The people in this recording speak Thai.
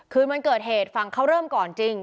คืนวันเกิดเหตุฝั่งเขาเริ่มก่อนจริง